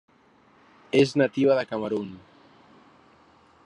És nativa de Camerun.